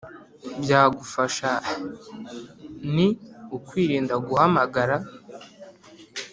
byagufasha ni ukwirinda guhamagara